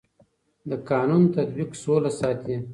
د قانون تطبیق سوله ساتي